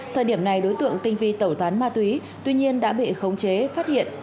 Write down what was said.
thời điểm này đối tượng tinh vi tẩu tán ma túy tuy nhiên đã bị khống chế phát hiện